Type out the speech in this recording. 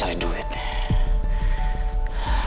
nah hadapun nanti kita